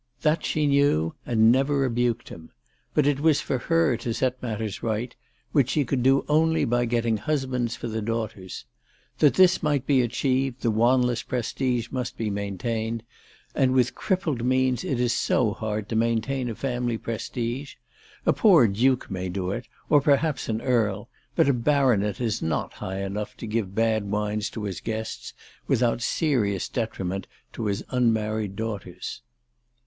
That she knew, and never rebuked him. But it was for her to set matters right, which she could only do by getting husbands for the daughters. That this might be achieved the Wanless prestige must be maintained ; and with crippled means it is so hard to maintain a family prestige ! A poor duke may do it, or perhaps an earl ; but a baronet is not high enough to give bad wines to his guests without serious detriment to his unmarried daughters.